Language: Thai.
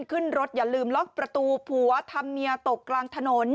ขึ้นรถอย่าลืมล็อกประตูผัวทำเมียตกกลางถนน